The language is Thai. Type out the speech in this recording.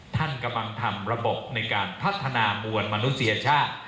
ท่านกำลังทำระบบในการพัฒนามวลมนุษยชาติ